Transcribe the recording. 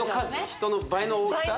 人の倍の大きさ？